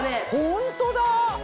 ホントだ！